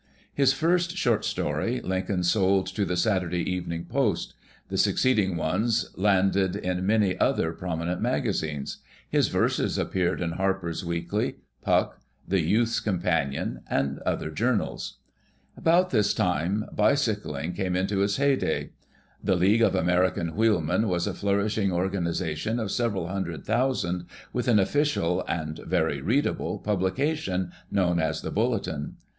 His first short story Lincoln sold to the Saturday Evening Post ; the succeeding ones landed in many other prominent magazines. His verses appeared in Harper's Weekly, Puck, The Youth's Cojupanion and other journals. About this time bicycling came into its heyday. The League of American Wheelmen was a flourishing organiza tion of several hundred thousand with an official (and very readable) pulilication known as tlie Bulletin.